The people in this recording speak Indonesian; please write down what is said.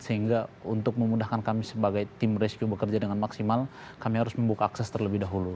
sehingga untuk memudahkan kami sebagai tim rescue bekerja dengan maksimal kami harus membuka akses terlebih dahulu